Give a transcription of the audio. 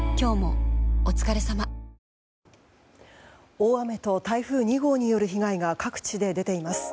大雨と台風２号による被害が各地で出ています。